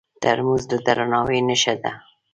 ترموز د درناوي نښه ده.